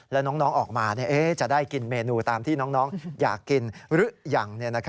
แล้วน้องออกมาจะได้กินเมนูตามที่น้องอยากกินหรือยัง